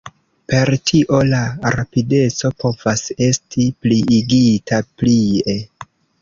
Per tio la rapideco povas esti pliigita plie.